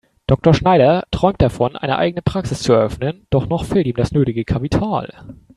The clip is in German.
Dr. Schneider träumt davon, eine eigene Praxis zu eröffnen, doch noch fehlt ihm das nötige Kapital.